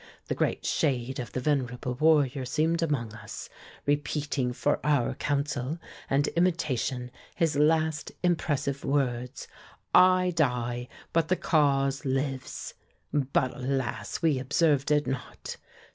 The great shade of the venerable warrior seemed among us, repeating for our counsel and imitation his last impressive words, 'I die but the cause lives!' But, alas! we observed it not.